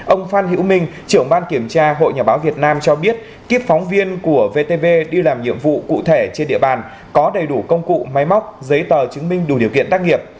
ông phan hiễu minh trưởng ban kiểm tra hội nhà báo việt nam cho biết kiếp phóng viên của vtv đi làm nhiệm vụ cụ thể trên địa bàn có đầy đủ công cụ máy móc giấy tờ chứng minh đủ điều kiện tác nghiệp